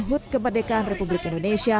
hut kemerdekaan republik indonesia